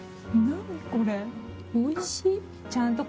何これおいしい。